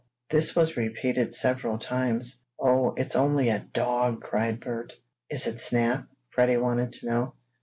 This was repeated several times. "Oh, it's only a dog!" cried Bert. "Is it Snap?" Freddie wanted to know.